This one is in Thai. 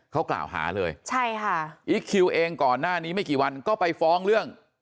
เขากล่าวหาเลยใช่ค่ะอีคคิวเองก่อนหน้านี้ไม่กี่วันก็ไปฟ้องเรื่อง